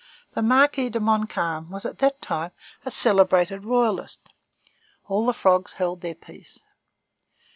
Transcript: The Marquis de Montcalm was at that time a celebrated royalist. All the frogs held their peace.